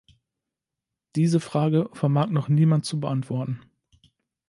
Diese Frage vermag noch niemand zu beantworten.